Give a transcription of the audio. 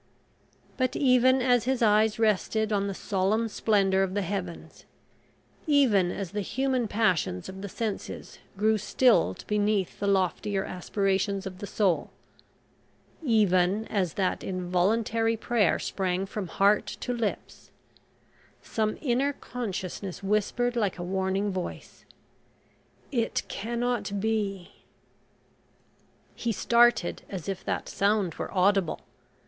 But even as his eyes rested on the solemn splendour of the heavens even as the human passions of the senses grew stilled beneath the loftier aspirations of the soul even as that involuntary prayer sprang from heart to lips, some inner consciousness whispered like a warning voice "it cannot be." He started as if that sound were audible.